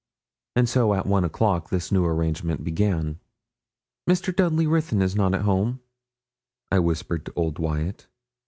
And so at one o'clock this new arrangement began. 'Mr. Dudley Ruthyn is not at home?' I whispered to old Wyat.